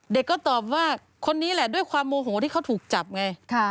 เด็กก็ตอบว่าคนนี้แหละด้วยความโมโหที่เขาถูกจับไง